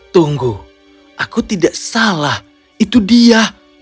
tunggu aku tidak salah itu dia